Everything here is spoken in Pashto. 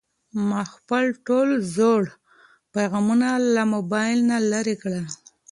ما خپل ټول زوړ پيغامونه له موبایل نه لرې کړل.